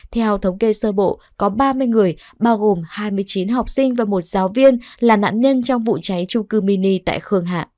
theo thống kê sơ bộ có ba mươi người bao gồm hai mươi chín học sinh và một giáo viên là nạn nhân trong vụ cháy trung cư mini tại khương hạ